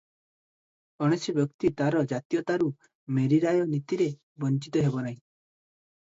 କୌଣସି ବ୍ଯକ୍ତି ତାର ଜାତୀୟତାରୁ ମେରୀରାୟ ନୀତିରେ ବଞ୍ଚିତ ହେବନାହିଁ ।